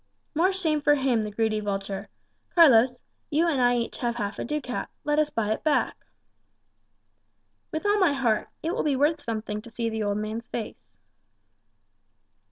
"More shame for him, the greedy vulture. Carlos, you and I have each half a ducat; let us buy it back." "With all my heart. It will be worth something to see the old man's face."